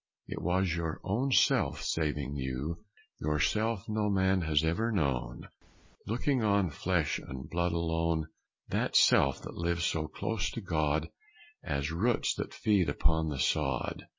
It was your own Self saving you, Your Self no man has ever known, Looking on flesh and blood alone. That Self that lives so close to God As roots that feed upon the sod.